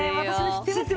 知ってます？